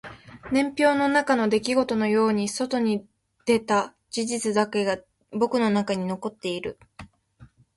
年表の中の出来事のように外に出た事実だけが僕の中に残っている